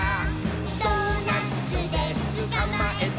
「ドーナツでつかまえた！」